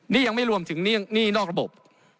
นี่ยังไม่รวมถึงหนี้นอกระบบ